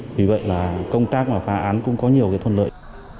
vì vậy là công tác và phá án cũng có nhiều thuận lợi